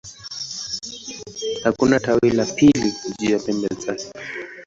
Hakuna tawi la pili juu ya pembe zake.